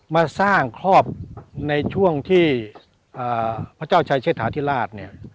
มาสร้างครอบในช่วงที่พระเจ้าชายเชษฐาธิราชเนี่ย